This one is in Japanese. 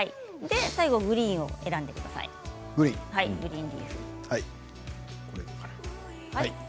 最後グリーンを選んでください。